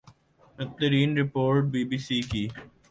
ہترین report B B C کی